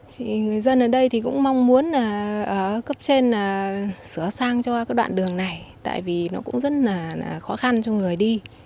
thì người dân ở đây thì cũng mong muốn là ở cấp trên là sửa sang cho cái đoạn đường này tại vì nó cũng rất là khó khăn cho người đi